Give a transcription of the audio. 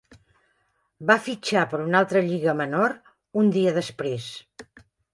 Va fitxar per una altra lliga menor un dia després.